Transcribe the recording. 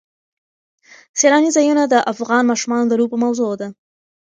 سیلاني ځایونه د افغان ماشومانو د لوبو موضوع ده.